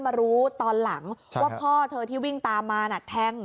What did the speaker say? มารู้ตอนหลังว่าพ่อเธอที่วิ่งตามมาน่ะแทง